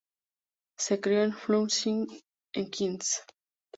Se crio en Flushing en Queens.